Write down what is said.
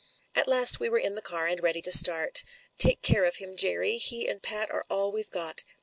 At last we were in the car and ready to start. ''Take care of him, Jerry ; he and Pat are all we've got."